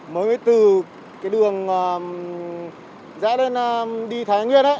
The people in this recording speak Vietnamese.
mới từ cái đường dã lên đi thái nguyên ấy